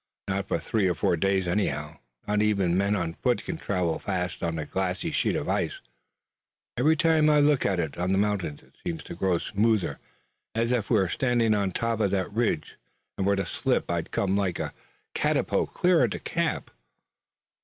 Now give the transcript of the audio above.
"Not for three or four days anyhow. Not even men on foot can travel fast on a glassy sheet of ice. Every time I look at it on the mountain it seems to grow smoother. If I were standing on top of that ridge and were to slip I'd come like a catapult clear into the camp."